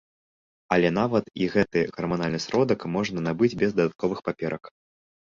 Але нават і гэты гарманальны сродак можна набыць без дадатковых паперак.